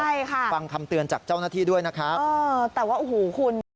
ใช่ค่ะฟังคำเตือนจากเจ้าหน้าที่ด้วยนะครับเออแต่ว่าโอ้โหคุณ